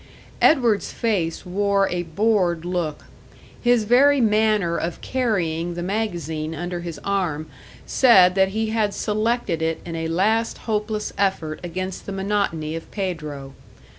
Edward's face wore a bored look; his very manner of carrying the magazine under his arm said that he had selected it in a last hopeless effort against the monotony of Pedro.